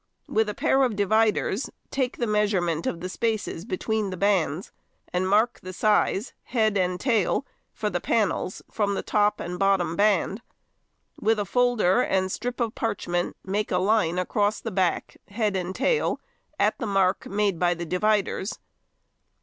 With a pair of dividers take the measurement of the spaces between the bands, and mark the size, head and tail, for the panels from the top and bottom band; with a folder and strip of parchment make a line across the back, head and tail, at the mark made by the dividers.